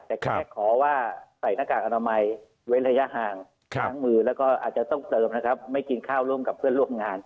แต่แค่ขอว่าใส่หน้ากากอนามัยเว้นระยะห่างล้างมือแล้วก็อาจจะต้องเติมนะครับไม่กินข้าวร่วมกับเพื่อนร่วมงาน